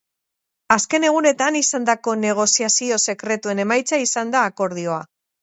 Azken egunetan izandako negoziazio sekretuen emaitza izan da akordioa.